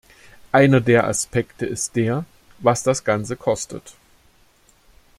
Einer der Aspekte ist der, was das Ganze kostet.